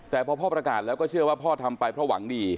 แต่พอพ่อประกาศแล้วก็เชื่อว่าพ่อทำไปเพราะหวังดี